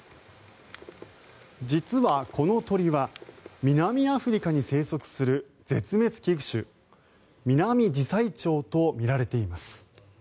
実は、この鳥は南アフリカに生息する絶滅危惧種ミナミジサイチョウとみられています。